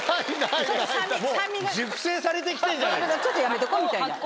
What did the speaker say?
ちょっとやめとこうみたいな。